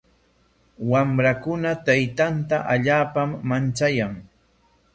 Wamrakuna taytanta allaapam manchayan.